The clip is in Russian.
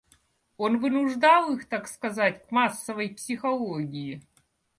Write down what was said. Он вынуждал их, так сказать, к массовой психологии.